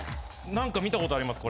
何か見たことあります